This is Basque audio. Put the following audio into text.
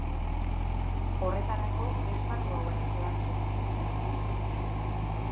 Horretarako esparru hauek lantzen dituzte.